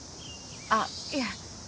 あっいや